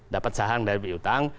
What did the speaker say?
dapat saham dari utang